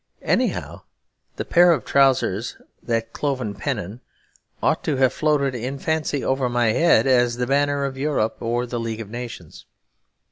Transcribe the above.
Anyhow, the pair of trousers, that cloven pennon, ought to have floated in fancy over my head as the banner of Europe or the League of Nations.